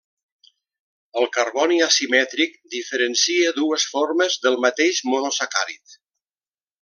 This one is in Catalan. El carboni asimètric diferencia dues formes del mateix monosacàrid.